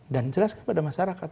dan jelaskan kepada masyarakat